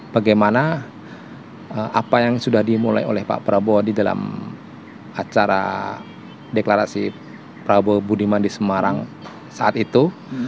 bagaimana apa yang sudah dimulai oleh pak prabowo di dalam acara deklarasi prabowo budiman di semarang saat itu